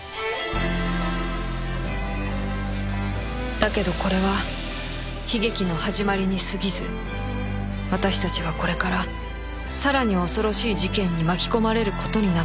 だけどこれは悲劇の始まりに過ぎず私たちはこれからさらに恐ろしい事件に巻き込まれる事になっていく